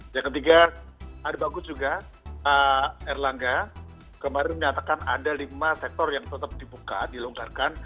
yang ketiga ada bagus juga pak erlangga kemarin menyatakan ada lima sektor yang tetap dibuka dilonggarkan